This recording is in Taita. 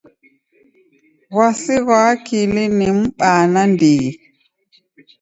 W'asi ghwa akili ni m'baa nandighi.